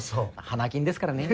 花金ですからね。